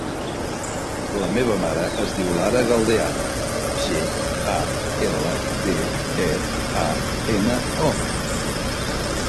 La meva mare es diu Lara Galdeano: ge, a, ela, de, e, a, ena, o.